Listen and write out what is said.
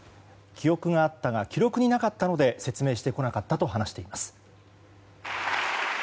記憶があったが記録になかったので説明してこなかったと話しています。